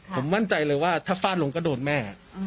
ผมมั่นใจเลยว่าถ้าฟาดลงก็โดนแม่